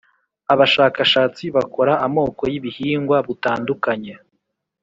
abashakashatsi bakora amoko y ibihingwa butandukanye